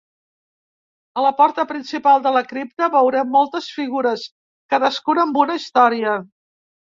A la porta principal de la cripta veurem moltes figures, cadascuna amb una història.